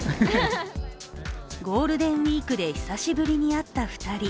ゴールデンウイークで久しぶりに会った２人。